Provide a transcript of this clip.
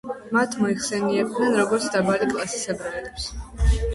მათ მოიხსენიებდნენ როგორც „დაბალი კლასის ებრაელებს“.